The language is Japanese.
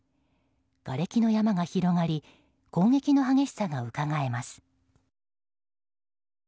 がれきの山が広がり攻撃の激しさがうかがえます。